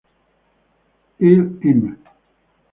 Il m.